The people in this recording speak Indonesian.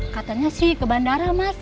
katanya sih ke bandara mas